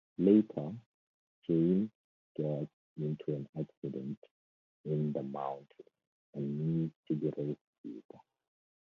Later, James gets into an accident in the mountains and needs to be rescued.